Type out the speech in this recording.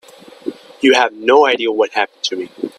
You have no idea what's happened to me.